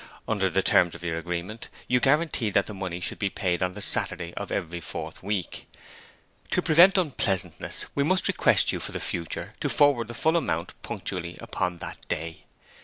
Under the terms of your agreement you guaranteed that the money should be paid on the Saturday of every fourth week. To prevent unpleasantness, we must request you for the future to forward the full amount punctually upon that day.